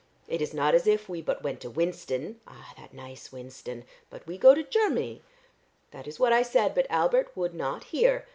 It is not as if we but went to Winston ah, that nice Winston! but we go to Chermany. That is what I said, but Albert would not hear.